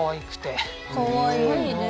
かわいいね。